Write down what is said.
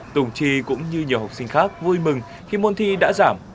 tùng trì cũng như nhiều học sinh khác vui mừng khi môn thi đã giảm